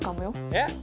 えっ？